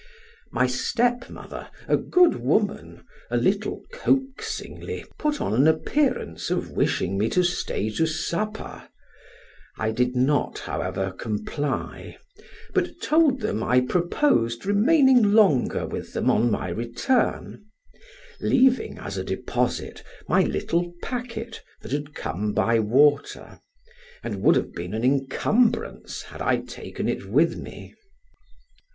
My step mother, a good woman, a little coaxingly put on an appearance of wishing me to stay to supper; I did not, however, comply, but told them I proposed remaining longer with them on my return; leaving as a deposit my little packet, that had come by water, and would have been an incumbrance, had I taken it with me.